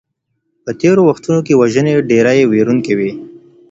په تيرو وختونو کي وژنې ډېرې ويرونکي وې.